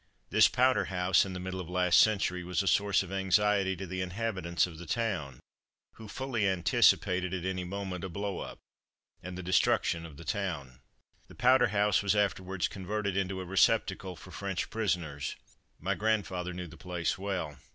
This Powder House, in the middle of the last century, was a source of anxiety to the inhabitants of the town, who fully anticipated, at any moment, a blow up, and the destruction of the town. The Powder House was afterwards converted into a receptacle for French prisoners. My grandfather knew the place well.